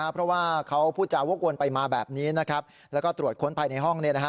เพราะว่าเขาพูดจาวกวนไปมาแบบนี้แล้วก็ตรวจค้นภายในห้อง